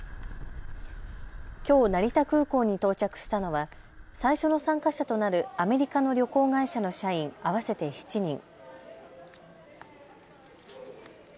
きょう、成田空港に到着したのは最初の参加者となるアメリカの旅行会社の社員合わせて７人。